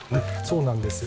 そうなんです。